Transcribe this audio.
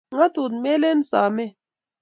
Ngatut melen someet.